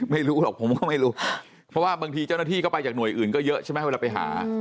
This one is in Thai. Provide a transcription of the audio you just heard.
ไม่รู้หรอกผมก็ไม่รู้เพราะว่าบางทีเจ้าหน้าที่ก็ไปจากหน่วยอื่นก็เยอะใช่ไหมเวลาไปหา